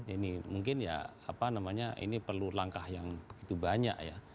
ini mungkin ya apa namanya ini perlu langkah yang begitu banyak ya